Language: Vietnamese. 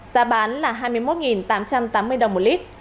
giá bán là hai mươi một tám trăm tám mươi đồng một lít